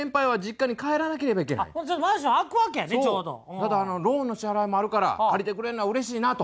ただローンの支払いもあるから借りてくれんのはうれしいなと。